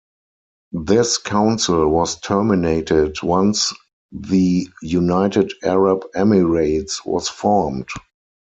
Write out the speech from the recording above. This council was terminated once the United Arab Emirates was formed.